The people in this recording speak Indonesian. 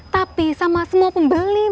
tapi sama semua pembeli